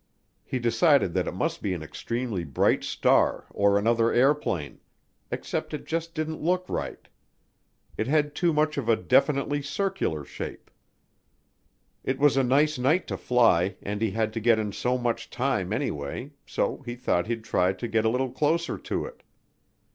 He decided that it must be an extremely bright star or another airplane except it just didn't look right. It had too much of a definitely circular shape. It was a nice night to fly and he had to get in so much time anyway, so he thought he'd try to get a little closer to it.